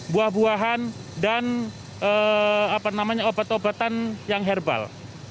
buah buahan dan obat obatan yang herbal